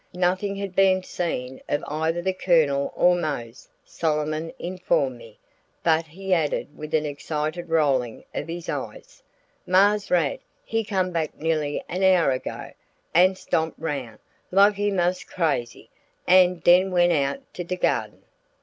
Nothing had been seen of either the Colonel or Mose, Solomon informed me, but he added with an excited rolling of his eyes: "Marse Rad, he come back nearly an hour ago an' stomp roun' like he mos' crazy, an' den went out to de gahden."